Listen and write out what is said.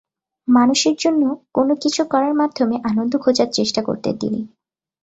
মানুষের জন্য কোনো কিছু করার মাধ্যমে আনন্দ খোঁজার চেষ্টা করতেন তিনি।